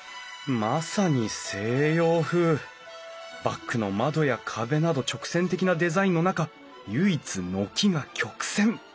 バックの窓や壁など直線的なデザインの中唯一軒が曲線。